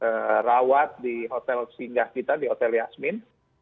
kita rawat di hotel singgah kita di hotel yasmin